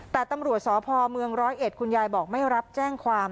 แต่ตำรวจสพเมืองร้อยเอ็ดคุณยายบอกไม่รับแจ้งความ